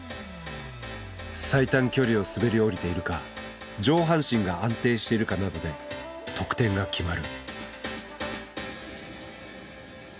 最短距離を滑り降りているか上半身が安定しているかなどで得点が決まる。